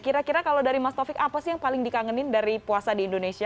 kira kira kalau dari mas taufik apa sih yang paling dikangenin dari puasa di indonesia